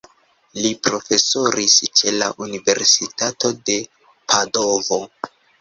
Li profesoris ĉe la universitato de Padovo.